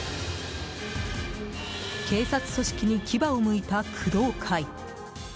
警察組織に牙をむいた工藤会。